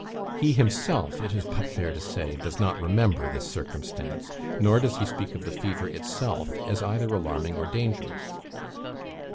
He himself, it is but fair to say, does not remember this circumstance, nor does he speak of the fever itself as either alarming or dangerous.